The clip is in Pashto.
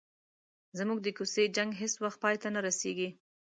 زموږ د کوڅې جنګ هیڅ وخت پای ته نه رسيږي.